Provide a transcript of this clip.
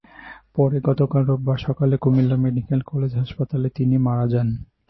পরে গতকাল রোববার সকালে কুমিল্লা মেডিকেল কলেজ হাসপাতালে তিনি মারা যান।